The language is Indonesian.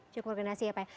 cukup bergenasi ya pak